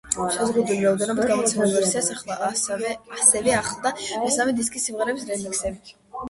შეზღუდული რაოდენობით გამოცემულ ვერსიას ასევე ახლდა მესამე დისკი, სიმღერების რემიქსებით.